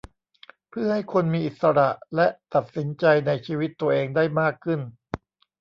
เพื่อให้คนมีอิสระและตัดสินใจในชีวิตตัวเองได้มากขึ้น